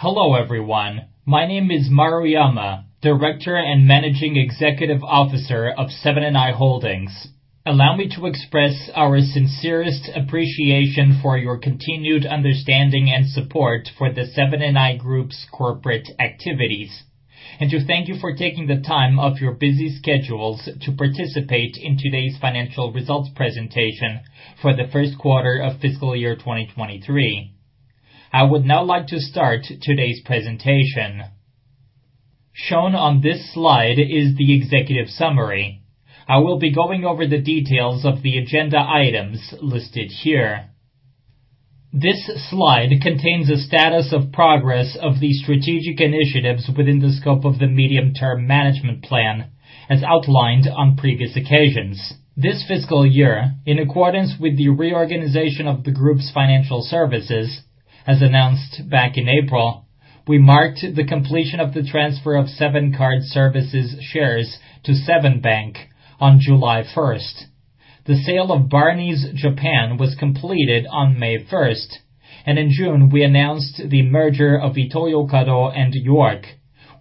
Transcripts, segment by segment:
Hello, everyone. My name is Maruyama, Director and Managing Executive Officer of Seven & i Holdings. Allow me to express our sincerest appreciation for your continued understanding and support for the Seven & i Group's corporate activities, and to thank you for taking the time out of your busy schedules to participate in today's financial results presentation for the first quarter of fiscal year 2023. I would now like to start today's presentation. Shown on this slide is the executive summary. I will be going over the details of the agenda items listed here. This slide contains a status of progress of the strategic initiatives within the scope of the medium-term management plan, as outlined on previous occasions. This fiscal year, in accordance with the reorganization of the group's financial services, as announced back in April, we marked the completion of the transfer of Seven Card Service shares to Seven Bank on July 1st. The sale of Barneys Japan was completed on May 1st, and in June, we announced the merger of Ito-Yokado and York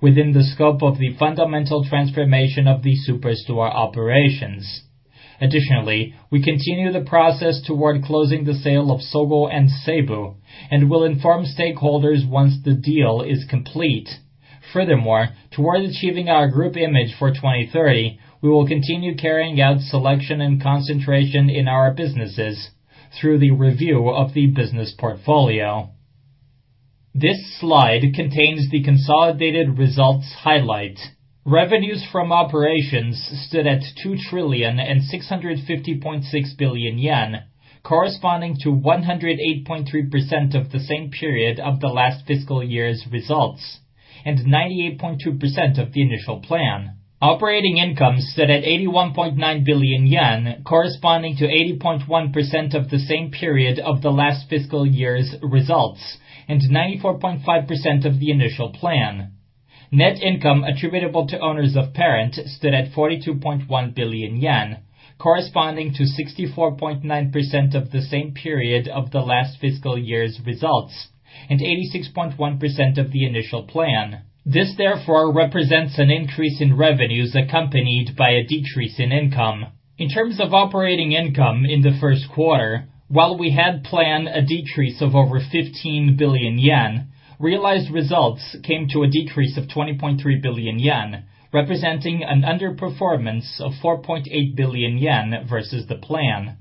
within the scope of the fundamental transformation of the superstore operations. Additionally, we continue the process toward closing the sale of Sogo & Seibu and will inform stakeholders once the deal is complete. Furthermore, toward achieving our group image for 2030, we will continue carrying out selection and concentration in our businesses through the review of the business portfolio. This slide contains the consolidated results highlight. Revenues from operations stood at 2,650.6 billion yen, corresponding to 108.3% of the same period of the last fiscal year's results, and 98.2% of the initial plan. Operating income stood at 81.9 billion yen, corresponding to 80.1% of the same period of the last fiscal year's results, and 94.5% of the initial plan. Net income attributable to owners of parent stood at 42.1 billion yen, corresponding to 64.9% of the same period of the last fiscal year's results, and 86.1% of the initial plan. This therefore represents an increase in revenues accompanied by a decrease in income. In terms of operating income in the first quarter, while we had planned a decrease of over 15 billion yen, realized results came to a decrease of 20.3 billion yen, representing an underperformance of 4.8 billion yen versus the plan.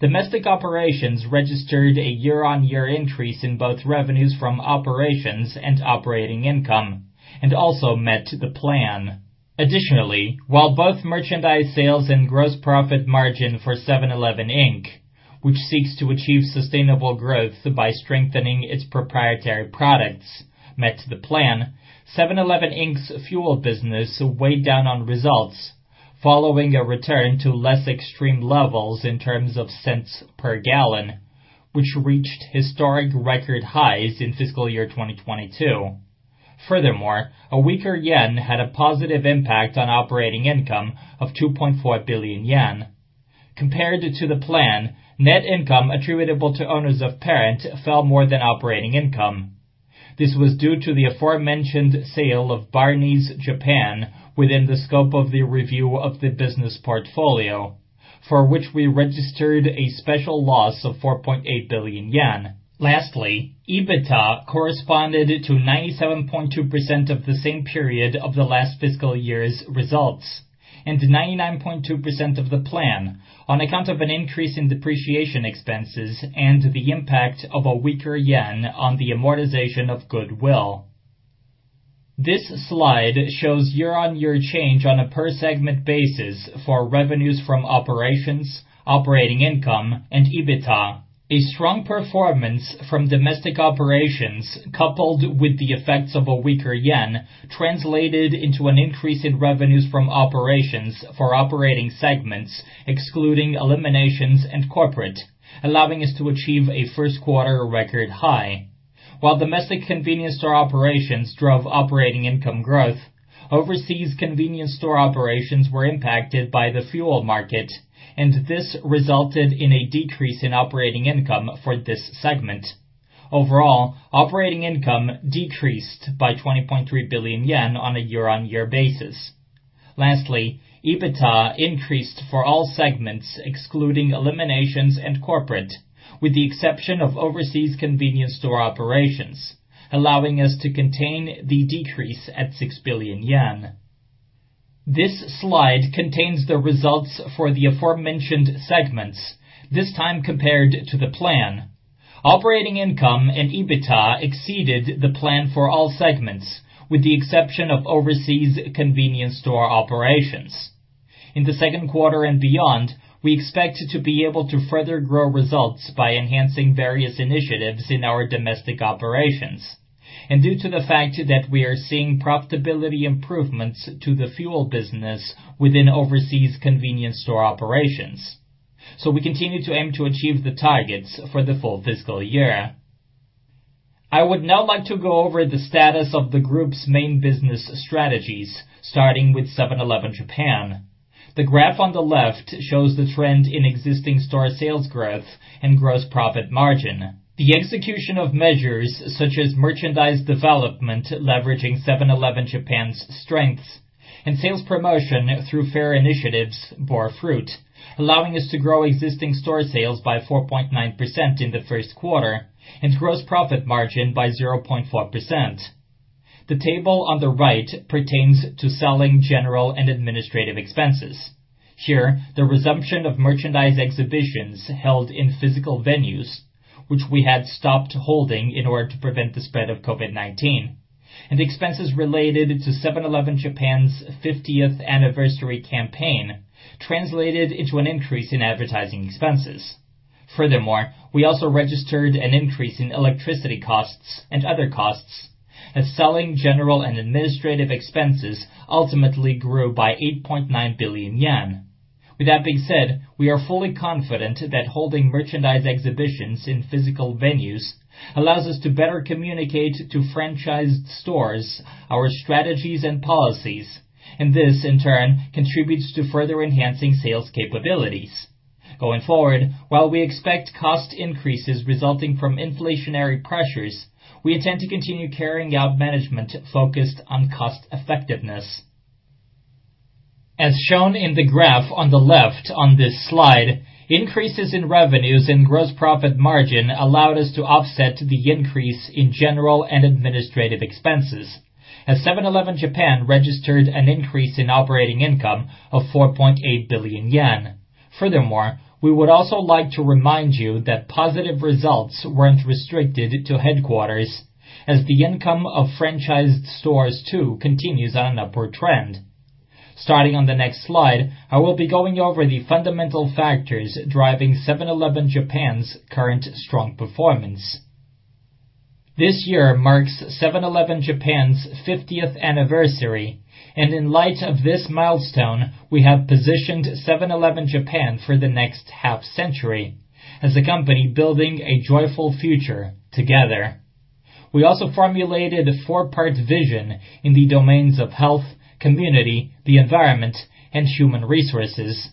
Domestic operations registered a year-on-year increase in both revenues from operations and operating income and also met the plan. While both merchandise sales and gross profit margin for 7-Eleven Inc., which seeks to achieve sustainable growth by strengthening its proprietary products, met the plan, 7-Eleven Inc.'s fuel business weighed down on results following a return to less extreme levels in terms of cents per gallon, which reached historic record highs in fiscal year 2022. A weaker yen had a positive impact on operating income of 2.4 billion yen. Compared to the plan, net income attributable to owners of parent fell more than operating income. This was due to the aforementioned sale of Barneys Japan within the scope of the review of the business portfolio, for which we registered a special loss of 4.8 billion yen. Lastly, EBITDA corresponded to 97.2% of the same period of the last fiscal year's results and 99.2% of the plan on account of an increase in depreciation expenses and the impact of a weaker yen on the amortization of goodwill. This slide shows year-on-year change on a per-segment basis for revenues from operations, operating income, and EBITDA. A strong performance from domestic operations, coupled with the effects of a weaker yen, translated into an increase in revenues from operations for operating segments, excluding eliminations and corporate, allowing us to achieve a first quarter record high. While domestic convenience store operations drove operating income growth, overseas convenience store operations were impacted by the fuel market, this resulted in a decrease in operating income for this segment. Overall, operating income decreased by 20.3 billion yen on a year-on-year basis. Lastly, EBITDA increased for all segments, excluding eliminations and corporate, with the exception of overseas convenience store operations, allowing us to contain the decrease at 6 billion yen. This slide contains the results for the aforementioned segments, this time compared to the plan. Operating income and EBITDA exceeded the plan for all segments, with the exception of overseas convenience store operations. In the second quarter and beyond, we expect to be able to further grow results by enhancing various initiatives in our domestic operations and due to the fact that we are seeing profitability improvements to the fuel business within overseas convenience store operations. We continue to aim to achieve the targets for the full fiscal year. I would now like to go over the status of the Group's main business strategies, starting with Seven-Eleven Japan. The graph on the left shows the trend in existing store sales growth and gross profit margin. The execution of measures such as merchandise development, leveraging 7-Eleven Japan's strengths, and sales promotion through fair initiatives bore fruit, allowing us to grow existing store sales by 4.9% in the first quarter and gross profit margin by 0.4%. The table on the right pertains to selling general and administrative expenses. Here, the resumption of merchandise exhibitions held in physical venues, which we had stopped holding in order to prevent the spread of COVID-19, and expenses related to 7-Eleven Japan's 50th anniversary campaign translated into an increase in advertising expenses. We also registered an increase in electricity costs and other costs, as selling general and administrative expenses ultimately grew by 8.9 billion yen. We are fully confident that holding merchandise exhibitions in physical venues allows us to better communicate to franchised stores our strategies and policies, and this, in turn, contributes to further enhancing sales capabilities. While we expect cost increases resulting from inflationary pressures, we intend to continue carrying out management focused on cost effectiveness. As shown in the graph on the left on this slide, increases in revenues and gross profit margin allowed us to offset the increase in general and administrative expenses, as 7-Eleven Japan registered an increase in operating income of 4.8 billion yen. Furthermore, we would also like to remind you that positive results weren't restricted to headquarters, as the income of franchised stores, too, continues on an upward trend. Starting on the next slide, I will be going over the fundamental factors driving 7-Eleven Japan's current strong performance. This year marks 7-Eleven Japan's 50th anniversary, and in light of this milestone, we have positioned 7-Eleven Japan for the next half century as a company building a joyful future together. We also formulated a 4-part vision in the domains of health, community, the environment, and human resources.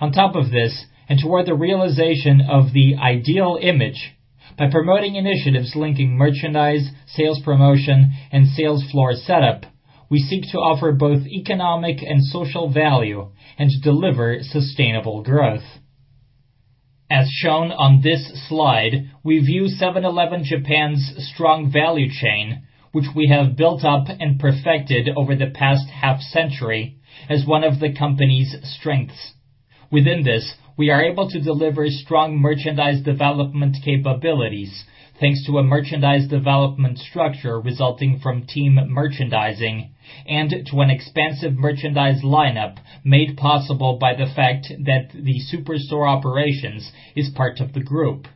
On top of this, and toward the realization of the ideal image, by promoting initiatives linking merchandise, sales promotion, and sales floor setup, we seek to offer both economic and social value and deliver sustainable growth. As shown on this slide, we view 7-Eleven Japan's strong value chain, which we have built up and perfected over the past half century, as one of the company's strengths. Within this, we are able to deliver strong merchandise development capabilities, thanks to a merchandise development structure resulting from Team Merchandising and to an expansive merchandise lineup made possible by the fact that the superstore operations is part of the group.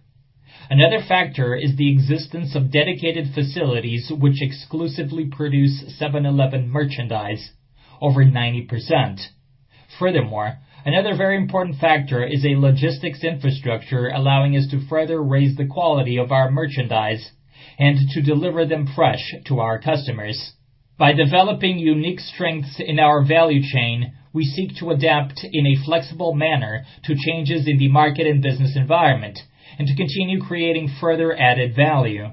Another factor is the existence of dedicated facilities, which exclusively produce 7-Eleven merchandise, over 90%. Another very important factor is a logistics infrastructure, allowing us to further raise the quality of our merchandise and to deliver them fresh to our customers. By developing unique strengths in our value chain, we seek to adapt in a flexible manner to changes in the market and business environment and to continue creating further added value.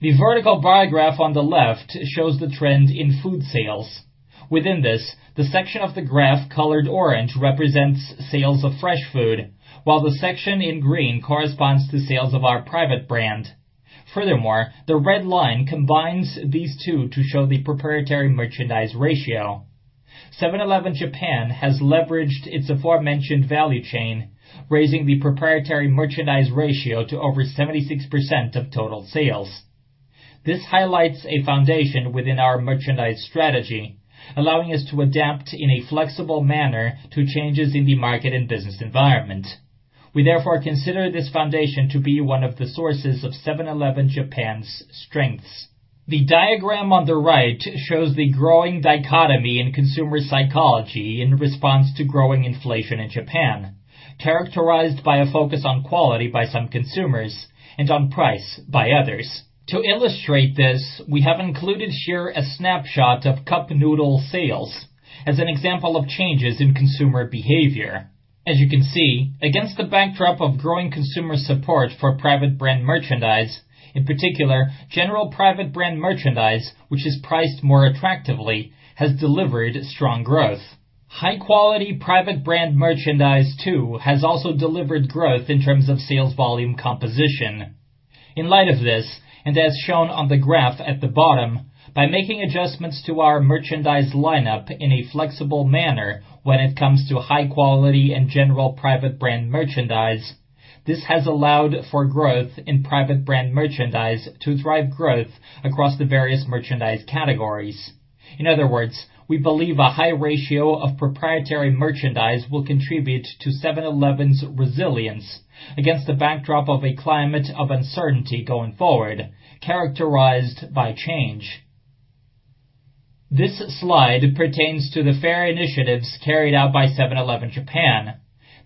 The vertical bar graph on the left shows the trend in food sales. Within this, the section of the graph colored orange represents sales of fresh food, while the section in green corresponds to sales of our private brand. Furthermore, the red line combines these two to show the proprietary merchandise ratio. 7-Eleven Japan has leveraged its aforementioned value chain, raising the proprietary merchandise ratio to over 76% of total sales. This highlights a foundation within our merchandise strategy, allowing us to adapt in a flexible manner to changes in the market and business environment. We therefore consider this foundation to be one of the sources of 7-Eleven Japan's strengths. The diagram on the right shows the growing dichotomy in consumer psychology in response to growing inflation in Japan, characterized by a focus on quality by some consumers and on price by others. To illustrate this, we have included here a snapshot of Cup Noodle sales as an example of changes in consumer behavior. As you can see, against the backdrop of growing consumer support for private brand merchandise, in particular, general private brand merchandise, which is priced more attractively, has delivered strong growth. High-quality private brand merchandise, too, has also delivered growth in terms of sales volume composition. In light of this, as shown on the graph at the bottom, by making adjustments to our merchandise lineup in a flexible manner when it comes to high quality and general private brand merchandise, this has allowed for growth in private brand merchandise to drive growth across the various merchandise categories. In other words, we believe a high ratio of proprietary merchandise will contribute to 7-Eleven's resilience against the backdrop of a climate of uncertainty going forward, characterized by change. This slide pertains to the fair initiatives carried out by 7-Eleven Japan.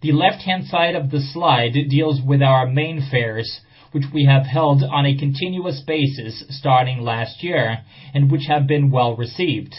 The left-hand side of the slide deals with our main fairs, which we have held on a continuous basis starting last year, and which have been well received.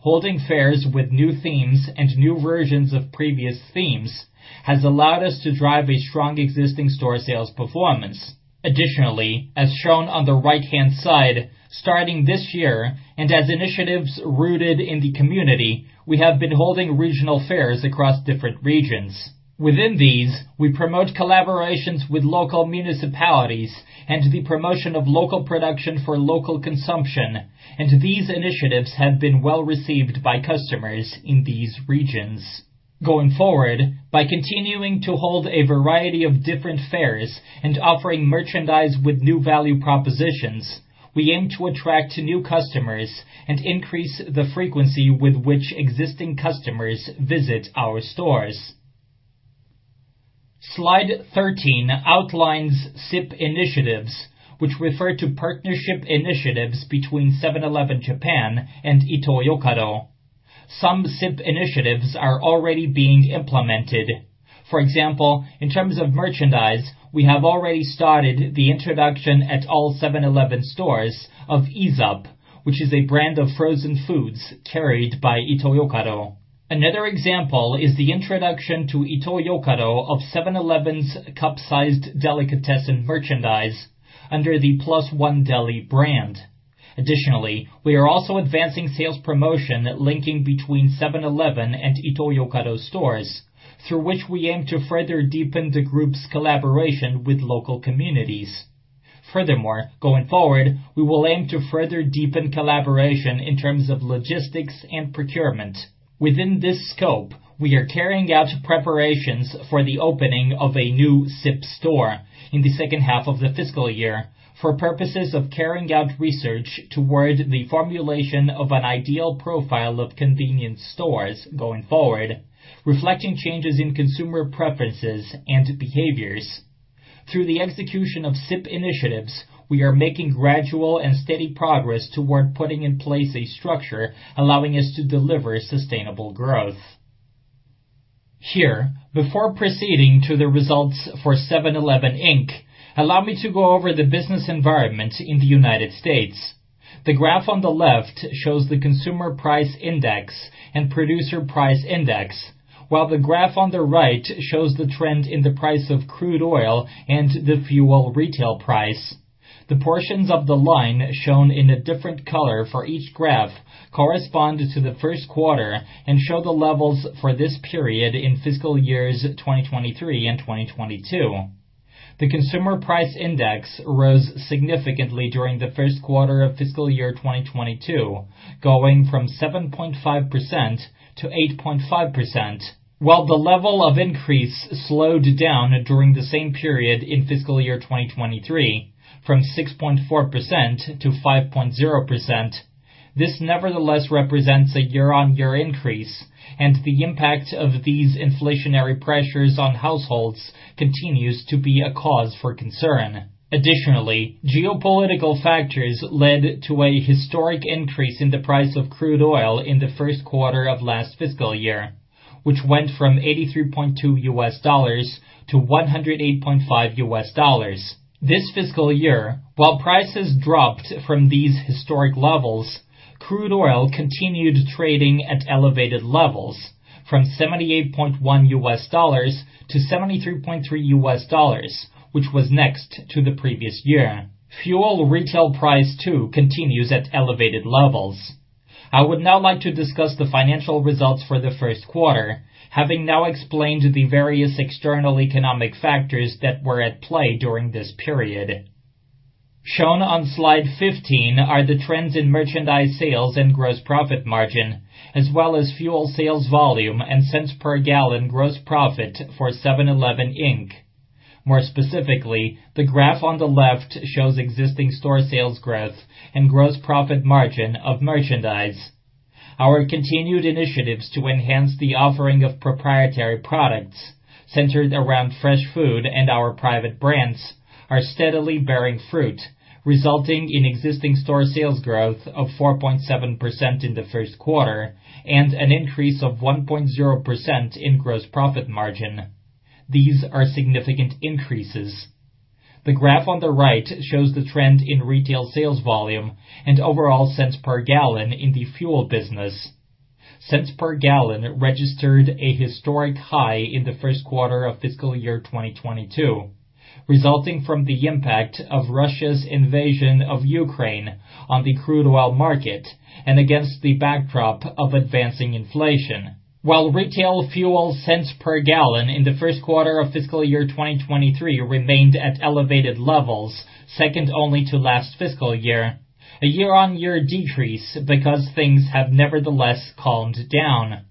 Holding fairs with new themes and new versions of previous themes has allowed us to drive a strong existing store sales performance. Additionally, as shown on the right-hand side, starting this year, and as initiatives rooted in the community, we have been holding regional fairs across different regions. Within these, we promote collaborations with local municipalities and the promotion of local production for local consumption, and these initiatives have been well received by customers in these regions. Going forward, by continuing to hold a variety of different fairs and offering merchandise with new value propositions, we aim to attract new customers and increase the frequency with which existing customers visit our stores. Slide 13 outlines SIP initiatives, which refer to partnership initiatives between 7-Eleven Japan and Ito-Yokado. Some SIP initiatives are already being implemented. For example, in terms of merchandise, we have already started the introduction at all 7-Eleven stores of EASE UP, which is a brand of frozen foods carried by Ito-Yokado. Another example is the introduction to Ito-Yokado of 7-Eleven's cup-sized delicatessen merchandise under the Plus One Deli brand. Additionally, we are also advancing sales promotion linking between 7-Eleven and Ito-Yokado stores, through which we aim to further deepen the group's collaboration with local communities. Furthermore, going forward, we will aim to further deepen collaboration in terms of logistics and procurement. Within this scope, we are carrying out preparations for the opening of a new SIP store in the second half of the fiscal year for purposes of carrying out research toward the formulation of an ideal profile of convenience stores going forward, reflecting changes in consumer preferences and behaviors. Through the execution of SIP initiatives, we are making gradual and steady progress toward putting in place a structure allowing us to deliver sustainable growth. Here, before proceeding to the results for 7-Eleven Inc., allow me to go over the business environment in the United States. The graph on the left shows the Consumer Price Index and Producer Price Index, while the graph on the right shows the trend in the price of crude oil and the fuel retail price. The portions of the line shown in a different color for each graph correspond to the first quarter and show the levels for this period in fiscal years 2023 and 2022. The Consumer Price Index rose significantly during the first quarter of fiscal year 2022, going from 7.5% to 8.5%, while the level of increase slowed down during the same period in fiscal year 2023, from 6.4% to 5.0%. This nevertheless represents a year-on-year increase, and the impact of these inflationary pressures on households continues to be a cause for concern. Additionally, geopolitical factors led to a historic increase in the price of crude oil in the first quarter of last fiscal year, which went from $83.2 to $108.5. This fiscal year, while prices dropped from these historic levels, crude oil continued trading at elevated levels, from $78.1 to $73.3, which was next to the previous year. Fuel retail price, too, continues at elevated levels. I would now like to discuss the financial results for the first quarter, having now explained the various external economic factors that were at play during this period. Shown on Slide 15 are the trends in merchandise sales and gross profit margin, as well as fuel sales volume and cents per gallon gross profit for 7-Eleven Inc. More specifically, the graph on the left shows existing store sales growth and gross profit margin of merchandise. Our continued initiatives to enhance the offering of proprietary products centered around fresh food and our private brands are steadily bearing fruit, resulting in existing store sales growth of 4.7% in the first quarter and an increase of 1.0% in gross profit margin. These are significant increases. The graph on the right shows the trend in retail sales volume and overall cents per gallon in the fuel business. Cents per gallon registered a historic high in the first quarter of fiscal year 2022, resulting from the impact of Russia's invasion of Ukraine on the crude oil market and against the backdrop of advancing inflation. While retail fuel cents per gallon in the first quarter of fiscal year 2023 remained at elevated levels, second only to last fiscal year, a year-on-year decrease because things have nevertheless calmed down.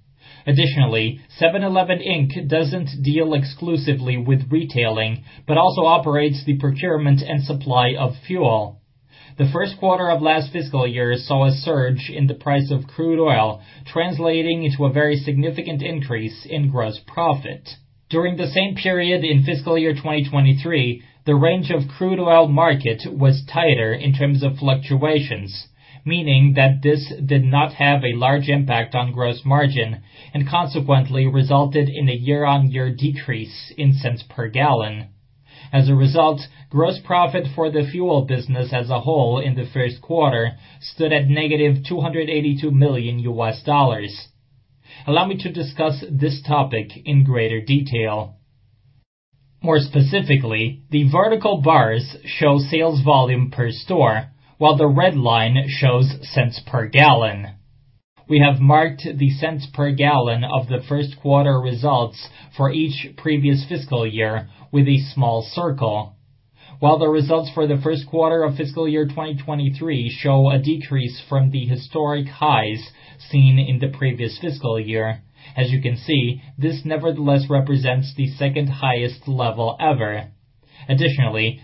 Additionally, 7-Eleven Inc. doesn't deal exclusively with retailing, but also operates the procurement and supply of fuel. The first quarter of last fiscal year saw a surge in the price of crude oil, translating into a very significant increase in gross profit. During the same period in fiscal year 2023, the range of crude oil market was tighter in terms of fluctuations, meaning that this did not have a large impact on gross margin and consequently resulted in a year-on-year decrease in cents per gallon. As a result, gross profit for the fuel business as a whole in the first quarter stood at negative $282 million. Allow me to discuss this topic in greater detail. More specifically, the vertical bars show sales volume per store, while the red line shows cents per gallon. We have marked the cents per gallon of the first quarter results for each previous fiscal year with a small circle. While the results for the first quarter of fiscal year 2023 show a decrease from the historic highs seen in the previous fiscal year, as you can see, this nevertheless represents the second-highest level ever.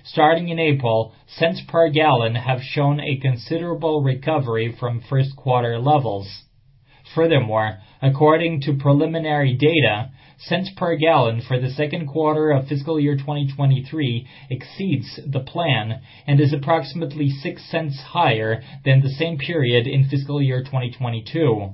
Starting in April, cents per gallon have shown a considerable recovery from first quarter levels. According to preliminary data, cents per gallon for the second quarter of fiscal year 2023 exceeds the plan and is approximately 6 cents higher than the same period in fiscal year 2022.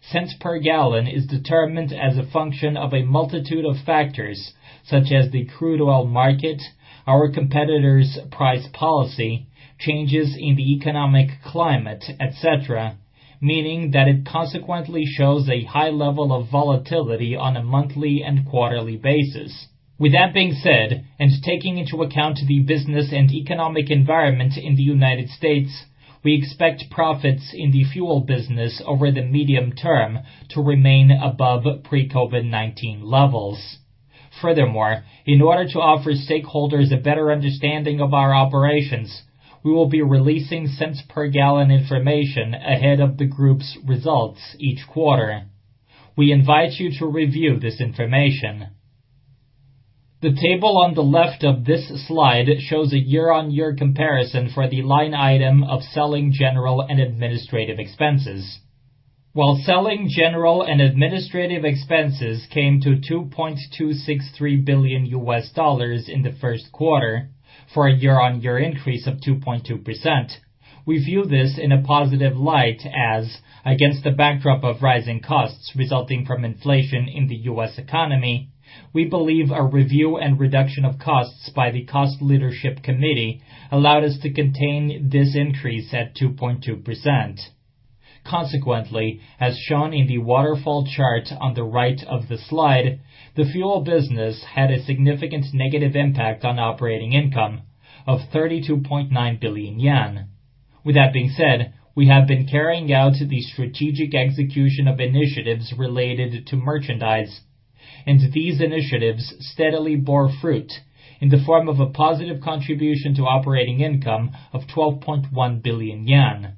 Cents per gallon is determined as a function of a multitude of factors, such as the crude oil market, our competitors' price policy, changes in the economic climate, et cetera, meaning that it consequently shows a high level of volatility on a monthly and quarterly basis. With that being said, and taking into account the business and economic environment in the United States, we expect profits in the fuel business over the medium term to remain above pre-COVID-19 levels. Furthermore, in order to offer stakeholders a better understanding of our operations, we will be releasing cents per gallon information ahead of the group's results each quarter. We invite you to review this information. The table on the left of this slide shows a year-on-year comparison for the line item of selling, general, and administrative expenses. While selling, general, and administrative expenses came to $2.263 billion in the first quarter for a year-on-year increase of 2.2%, we view this in a positive light as, against the backdrop of rising costs resulting from inflation in the U.S. economy, we believe a review and reduction of costs by the Cost Leadership Committee allowed us to contain this increase at 2.2%. As shown in the waterfall chart on the right of the slide, the fuel business had a significant negative impact on operating income of 32.9 billion yen. With that being said, we have been carrying out the strategic execution of initiatives related to merchandise, and these initiatives steadily bore fruit in the form of a positive contribution to operating income of 12.1 billion yen.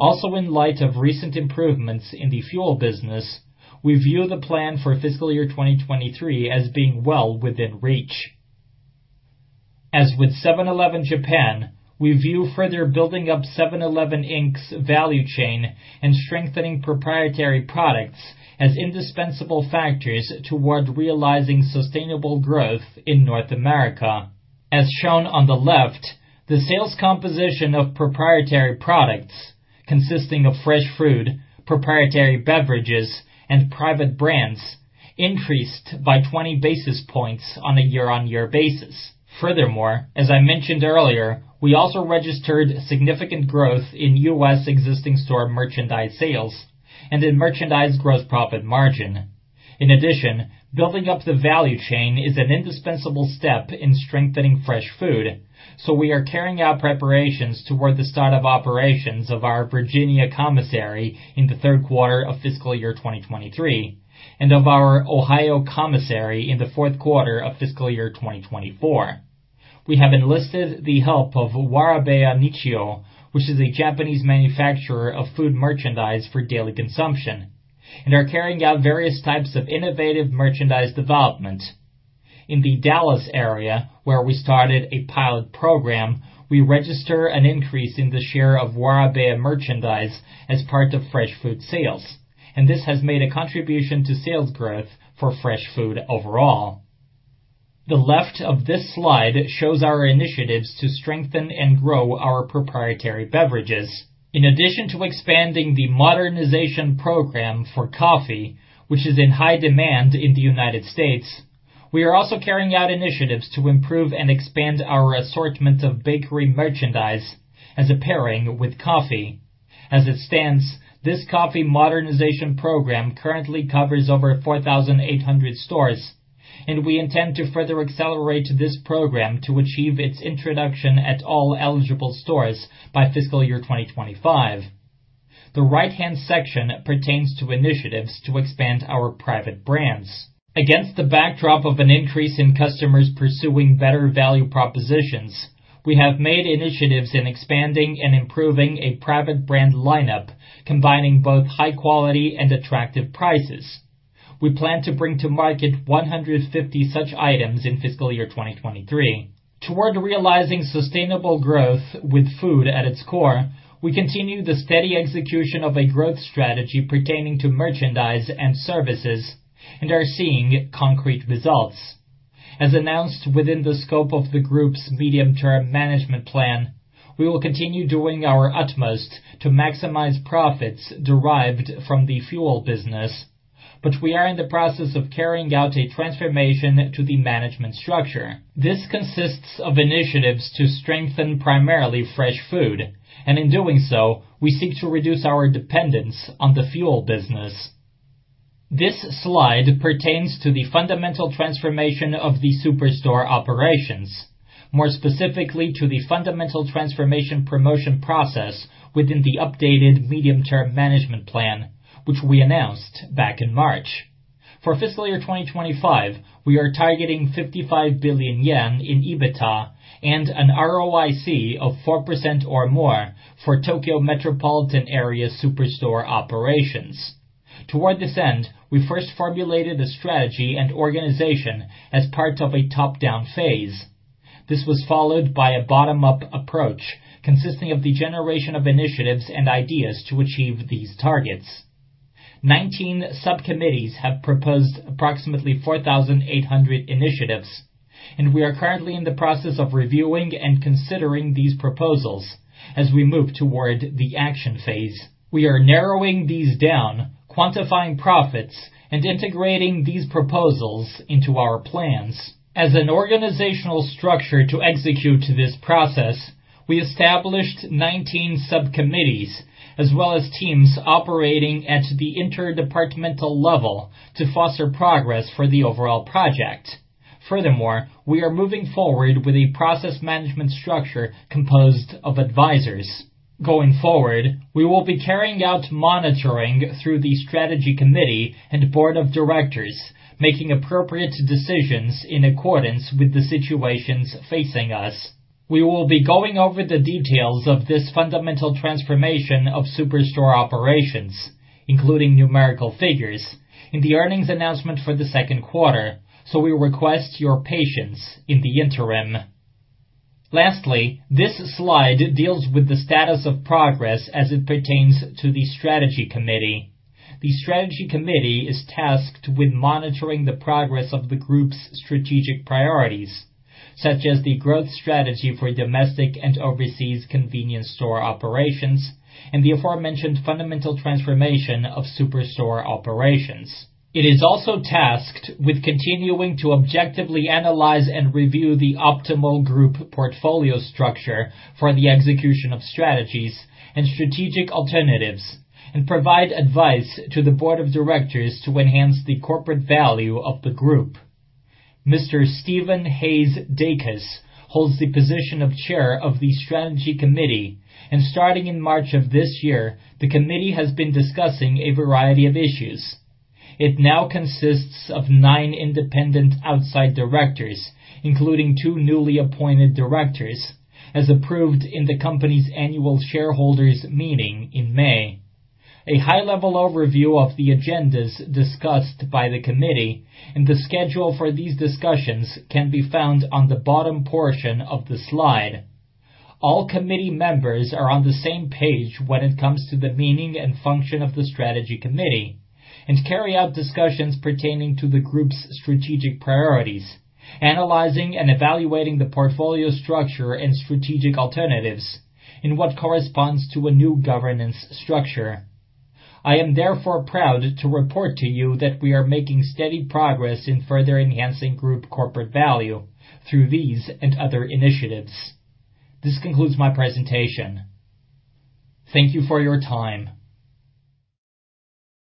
In light of recent improvements in the fuel business, we view the plan for fiscal year 2023 as being well within reach. As with 7-Eleven Japan, we view further building up 7-Eleven Inc.'s value chain and strengthening proprietary products as indispensable factors toward realizing sustainable growth in North America. As shown on the left, the sales composition of proprietary products, consisting of fresh food, proprietary beverages, and private brands, increased by 20 basis points on a year-on-year basis. Furthermore, as I mentioned earlier, we also registered significant growth in US existing store merchandise sales and in merchandise gross profit margin. Building up the value chain is an indispensable step in strengthening fresh food, so we are carrying out preparations toward the start of operations of our Virginia commissary in the 3rd quarter of fiscal year 2023 and of our Ohio commissary in the 4th quarter of fiscal year 2024. We have enlisted the help of Warabeya Nichiyo, which is a Japanese manufacturer of food merchandise for daily consumption, and are carrying out various types of innovative merchandise development. In the Dallas area, where we started a pilot program, we register an increase in the share of Warabeya merchandise as part of fresh food sales, and this has made a contribution to sales growth for fresh food overall. The left of this slide shows our initiatives to strengthen and grow our proprietary beverages. In addition to expanding the modernization program for coffee, which is in high demand in the United States, we are also carrying out initiatives to improve and expand our assortment of bakery merchandise as a pairing with coffee. As it stands, this coffee modernization program currently covers over 4,800 stores, and we intend to further accelerate this program to achieve its introduction at all eligible stores by fiscal year 2025. The right-hand section pertains to initiatives to expand our private brands. Against the backdrop of an increase in customers pursuing better value propositions, we have made initiatives in expanding and improving a private brand lineup, combining both high quality and attractive prices. We plan to bring to market 150 such items in fiscal year 2023. Toward realizing sustainable growth with food at its core, we continue the steady execution of a growth strategy pertaining to merchandise and services and are seeing concrete results. As announced within the scope of the Seven & i Group's medium-term management plan, we will continue doing our utmost to maximize profits derived from the fuel business, but we are in the process of carrying out a transformation to the management structure. This consists of initiatives to strengthen primarily fresh food, and in doing so, we seek to reduce our dependence on the fuel business. This slide pertains to the fundamental transformation of the superstore operations, more specifically to the fundamental transformation promotion process within the updated medium-term management plan, which we announced back in March. For fiscal year 2025, we are targeting 55 billion yen in EBITDA and an ROIC of 4% or more for Tokyo Metropolitan area superstore operations. Toward this end, we first formulated a strategy and organization as part of a top-down phase. This was followed by a bottom-up approach, consisting of the generation of initiatives and ideas to achieve these targets. 19 subcommittees have proposed approximately 4,800 initiatives. We are currently in the process of reviewing and considering these proposals as we move toward the action phase. We are narrowing these down, quantifying profits, and integrating these proposals into our plans. As an organizational structure to execute this process, we established 19 subcommittees, as well as teams operating at the interdepartmental level to foster progress for the overall project. We are moving forward with a process management structure composed of advisors. We will be carrying out monitoring through the Strategy Committee and Board of Directors, making appropriate decisions in accordance with the situations facing us. We will be going over the details of this fundamental transformation of superstore operations, including numerical figures, in the earnings announcement for the second quarter, so we request your patience in the interim. Lastly, this slide deals with the status of progress as it pertains to the Strategy Committee. The Strategy Committee is tasked with monitoring the progress of the group's strategic priorities, such as the growth strategy for domestic and overseas convenience store operations and the aforementioned fundamental transformation of superstore operations. It is also tasked with continuing to objectively analyze and review the optimal group portfolio structure for the execution of strategies and strategic alternatives, and provide advice to the board of directors to enhance the corporate value of the group. Mr. Stephen Hayes Dacus holds the position of Chair of the Strategy Committee, and starting in March of this year, the committee has been discussing a variety of issues. It now consists of nine independent outside directors, including two newly appointed directors, as approved in the company's annual shareholders meeting in May. A high-level overview of the agendas discussed by the committee and the schedule for these discussions can be found on the bottom portion of the slide. All committee members are on the same page when it comes to the meaning and function of the Strategy Committee and carry out discussions pertaining to the Group's strategic priorities, analyzing and evaluating the portfolio structure and strategic alternatives in what corresponds to a new governance structure. I am therefore proud to report to you that we are making steady progress in further enhancing Group corporate value through these and other initiatives. This concludes my presentation. Thank you for your time.